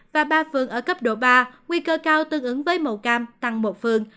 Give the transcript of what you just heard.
và ba phường ở cấp độ ba nguy cơ cao tương ứng với màu cam tăng một phường